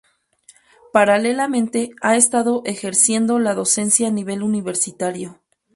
Paralelamente, ha estado ejerciendo la docencia a nivel universitario.